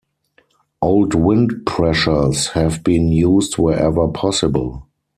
Old wind pressures have been used wherever possible.